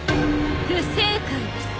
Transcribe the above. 不正解です。